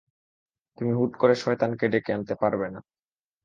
তুমি হুট করে শয়তানকে ডেকে আনতে পারবেনা।